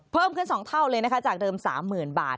เพิ่มขึ้น๒เท่าเลยนะคะจากเดิม๓๐๐๐บาท